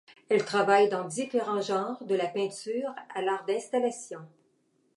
Elle travaille dans différents genres, de la peinture à l'art d'installation.